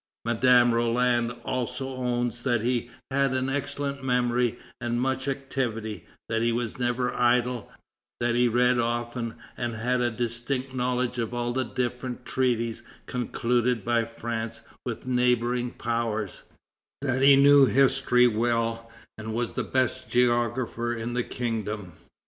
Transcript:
Madame Roland also owns that he had an excellent memory and much activity; that he was never idle; that he read often, and had a distinct knowledge of all the different treaties concluded by France with neighboring powers; that he knew history well, and was the best geographer in the kingdom.